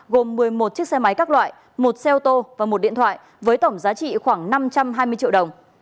gồm một mươi một chiếc xe máy các loại một xe ô tô và một điện thoại với tổng giá trị khoảng năm trăm hai mươi triệu đồng